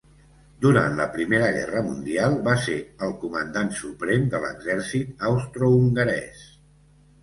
Durant la Primera Guerra Mundial va ser el Comandant Suprem de l'exèrcit austrohongarès.